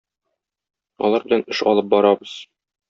Алар белән эш алып барабыз.